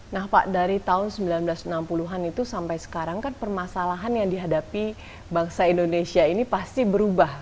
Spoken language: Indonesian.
nah pak dari tahun seribu sembilan ratus enam puluh an itu sampai sekarang kan permasalahan yang dihadapi bangsa indonesia ini pasti berubah